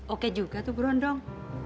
oke juga tuh berondong